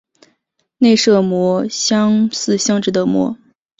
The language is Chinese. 内射模相似性质的模。